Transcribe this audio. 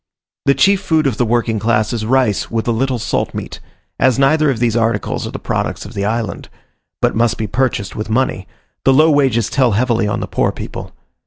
The chief food of the working class is rice with a little salt meat; as neither of these articles are the products of the island, but must be purchased with money, the low wages tell heavily on the poor people.